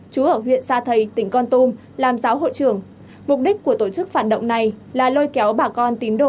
chú ở huyện sa thầy tỉnh con tum làm giáo hội trường mục đích của tổ chức phản động này là lôi kéo bà con tín đồ